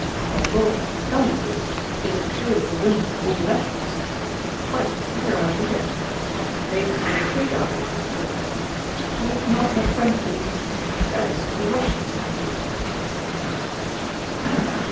"Apropos, tell me please, is it true that the women have all left Moscow? What a queer idea! What had they to be afraid of?" "Would not the French ladies leave Paris if the Russians entered it?" asked Pierre.